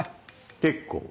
結構。